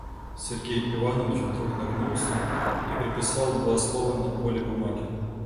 Сергей Иванович вдруг нагнулся и приписал два слова на поле бумаги.